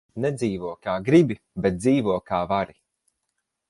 Nedzīvo, kā gribi, bet dzīvo, kā vari.